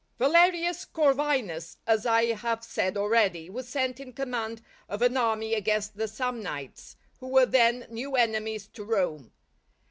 _ Valerius Corvinus, as I have said already, was sent in command of an army against the Samnites, who were then new enemies to Rome.